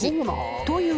という